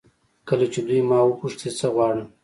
کله چې دوی ما وپوښتي څه غواړم.